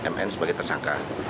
mn sebagai tersangka